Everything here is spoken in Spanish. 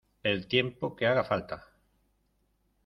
el tiempo que haga falta.